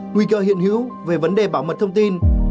nguy cơ hiện hữu về vấn đề bảo mật thông tin